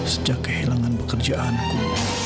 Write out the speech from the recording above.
sejak kehilangan pekerjaanku